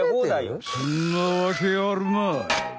そんなわけあるまい！